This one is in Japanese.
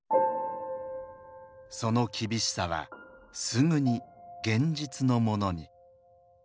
その厳しさはすぐに現実のものに。